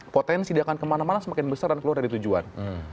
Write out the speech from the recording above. potensi dia akan kemana mana semakin besar dan keluar dari tujuan